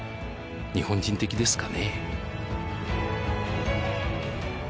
日本人的ですかね？